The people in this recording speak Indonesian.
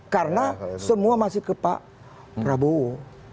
karena semua masih ke pak prabowo